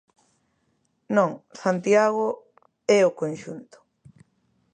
Non, Santiago é o conxunto.